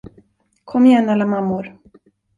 Kom igen, alla mammor.